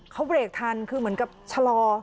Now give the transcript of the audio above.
เขาเบรกทันคือเหมือนกับชะลอ